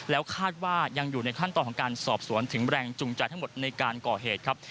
แล้วคาดว่ายังอยู่ในขั้นตอนของการสอบสวนถึงแรงจูงใจทั้งหมดในการก่อเหตุครับ